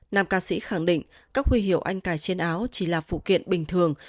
nam ca sĩ khẳng định các huy hiệu anh cài trên áo chỉ là phụ kiện bình thường